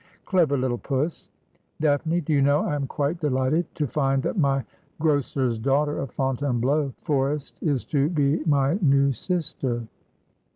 ' Clever little puss. Daphne, do you know I am quite delighted to find that my grocer's daughter of Fontainebleau Forest is to be my new sister.'